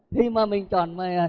khi mà mình chọn